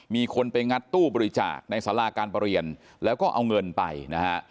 มีคนไปงัดตู้บริจาคในสาราการประเรียนแล้วก็เอาเงินไปนะฮะ